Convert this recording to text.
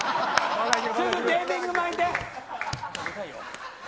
すぐテーピング巻いて。